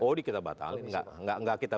oh dikita batalkan enggak kita